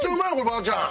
ばあちゃん。